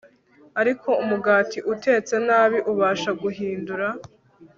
ariko umugati utetse nabi ubasha guhindura